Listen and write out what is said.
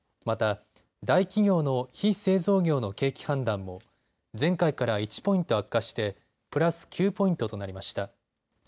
また大企業の非製造業の景気判断も前回から１ポイント悪化してプラス９ポイントとなりました。